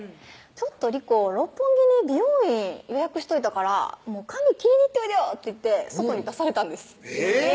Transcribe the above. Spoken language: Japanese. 「ちょっと理子六本木に美容院予約しといたから髪切りに行っといでよ」と言って外に出されたんですえぇっ！